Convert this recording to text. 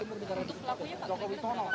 untuk pelakunya pak